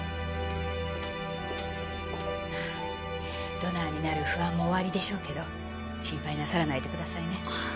ドナーになる不安もおありでしょうけど心配なさらないでくださいね。